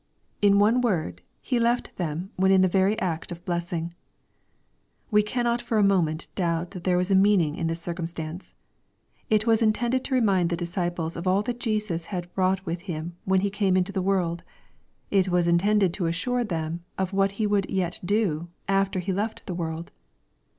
In one word, He left them when in the very act of blessing. We cannot for a moment doubt that there was a meaning in this circumstance. It was intended to remind the disciples of all that Jesus had brought with Him when He came into the world. It was intended to assure them of what He would vet do, after He left the world.